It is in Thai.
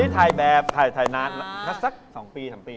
ถ่ายแบบถ่ายนัดถ้าสัก๒ปีสักปี